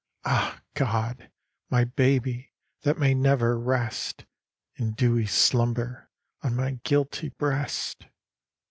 Ah, God, my baby, that may never rest In dewy slumber on my guilty breast